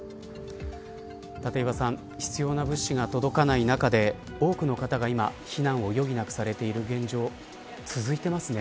立岩さん必要な物資が届かない中で多くの方が今避難を余儀なくされている現状続いてますね。